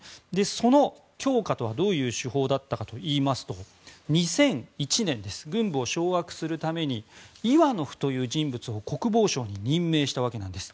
その強化とはどういう手法だったかといいますと２００１年軍を掌握するためにイワノフという人物を国防相に任命したわけです。